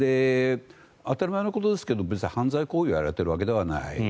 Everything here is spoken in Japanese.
当たり前のことですけど別に犯罪行為をやられているわけではない。